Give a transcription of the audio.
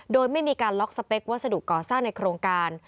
โดยไม่มีการล็อกสเปควัสดุก่อสร้างในโครงการ